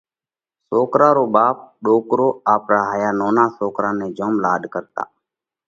سوڪرا رو ٻاپ ڏوڪرو آپرا هايا نونا سوڪرا نئہ جوم لاڏ ڪرتا